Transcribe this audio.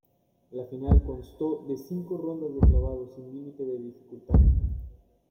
La final constó de cinco rondas de clavados sin límite de dificultad.